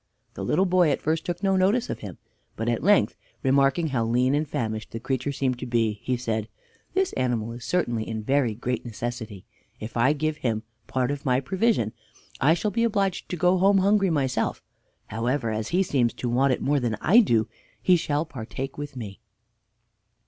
The little boy at first took no notice of him, but at length, remarking how lean and famished the creature seemed to be, he said: "This animal is certainly in very great necessity. If I give him part of my provision I shall be obliged to go home hungry myself; however, as he seems to want it more than I do, he shall partake with me."